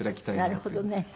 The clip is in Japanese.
なるほどね。